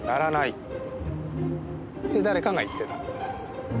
って誰かが言ってた。